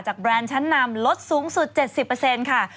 แบรนด์ชั้นนำลดสูงสุด๗๐ค่ะ